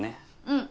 うん。